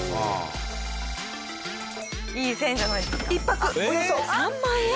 １泊およそ３万円。